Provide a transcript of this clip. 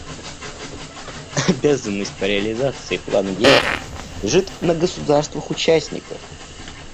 Обязанность по реализации Плана действий лежит на государствах-участниках.